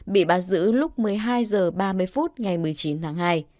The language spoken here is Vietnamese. bị bắt giữ lúc một mươi hai h ba mươi phút ngày một mươi chín tháng hai